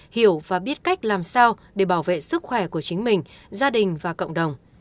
hiểu và biết cách làm sao để bảo vệ sức khỏe của chính mình gia đình và cộng đồng